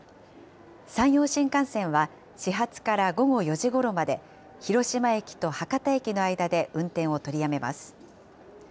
山陽新幹線は始発から午後４時ごろまで、広島駅と博多駅の間で運転を取りやめます。